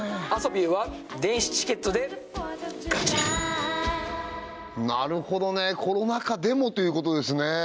アソビューは電子チケットでなるほどねコロナ禍でもということですね